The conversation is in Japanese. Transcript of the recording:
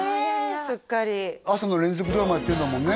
すっかり朝の連続ドラマやってるんだもんね